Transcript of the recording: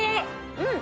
うん！